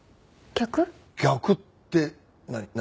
逆って何？